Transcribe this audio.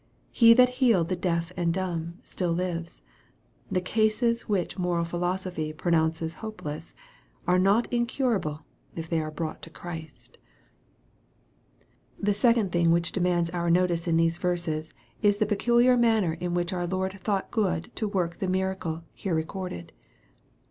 He that healed the deaf and dumb still lives. The cases which moral philosophy pronounces hopeless, are not in* curable if they are brought to Christ. 150 EXPOSITORY THOUGHTS. The second tiling which demands our notice :'n these verses, is the peculiar manner in which our Lord thought good to work the miracle here recorded.